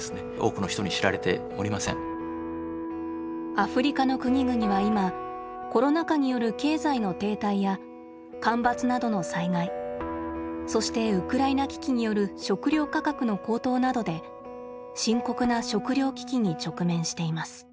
アフリカの国々はいまコロナ禍による経済の停滞や干ばつなどの災害そしてウクライナ危機による食料価格の高騰などで深刻な食料危機に直面しています。